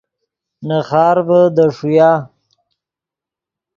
نے خارڤے دے ݰویا